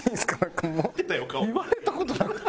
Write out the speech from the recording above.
言われた事なくて。